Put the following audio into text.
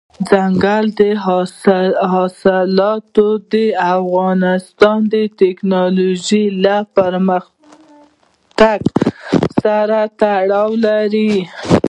دځنګل حاصلات د افغانستان د تکنالوژۍ له پرمختګ سره تړاو لري.